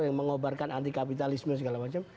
yang mengobarkan anti kapitalisme segala macam